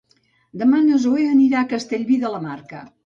Demà na Zoè anirà a Castellví de la Marca.